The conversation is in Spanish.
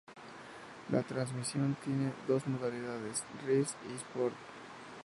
La transmisión tiene dos modalidades: "Race" y "Sport".